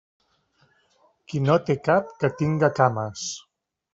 Qui no té cap, que tinga cames.